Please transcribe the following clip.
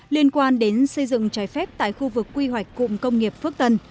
liên quan đến xây dựng trái phép tại khu vực quy hoạch cụm công nghiệp phước tân